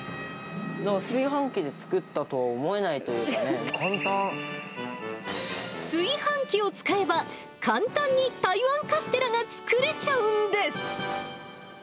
炊飯器で作ったとは思えない炊飯器を使えば、簡単に台湾カステラが作れちゃうんです。